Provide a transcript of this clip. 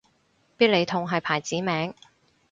必理痛係牌子名